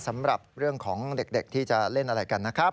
สำหรับเรื่องของเด็กที่จะเล่นอะไรกันนะครับ